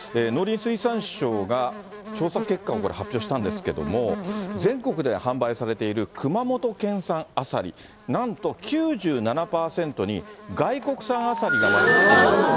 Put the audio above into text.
農林水産省が調査結果を発表したんですけれども、全国で販売されている熊本県産アサリ、なんと９７％に外国産アサリが混じっている。